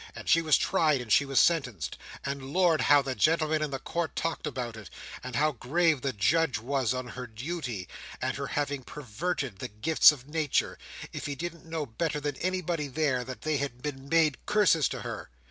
And she was tried, and she was sentenced. And lord, how the gentlemen in the Court talked about it! and how grave the judge was on her duty, and on her having perverted the gifts of nature—as if he didn't know better than anybody there, that they had been made curses to her!